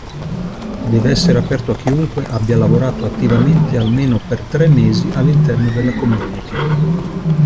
Deve essere aperto a chiunque abbia lavorato attivamente almeno per tre mesi all'interno della community.